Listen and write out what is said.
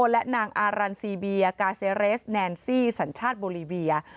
และนางอารันซีเบียกาเซเรสแนนซี่สัญชาติโบรีเวีย